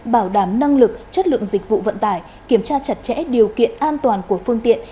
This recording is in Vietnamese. bảo đảm năng lực chất lượng dịch vụ vận tải kiểm tra chặt chẽ điều kiện an toàn của phương tiện